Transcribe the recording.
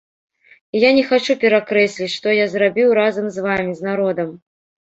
І я не хачу перакрэсліць, што я зрабіў разам з вамі, з народам.